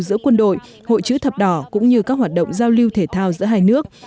giữa quân đội hội chữ thập đỏ cũng như các hoạt động giao lưu thể thao giữa hai nước